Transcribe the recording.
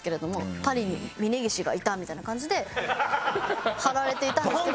パリに峯岸がいたみたいな感じで貼られていたんですけど。